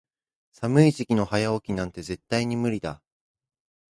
寒い時期の早起きなんて絶対に無理だ。